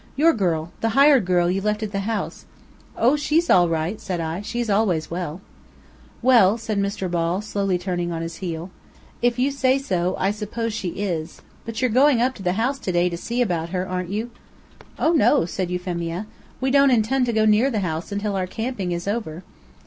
"Your girl. The hired girl you left at the house." "Oh, she's all right," said I; "she's always well." "Well," said Mr. Ball, slowly turning on his heel, "if you say so, I suppose she is. But you're going up to the house to day to see about her, aren't you?" "Oh, no," said Euphemia. "We don't intend to go near the house until our camping is over."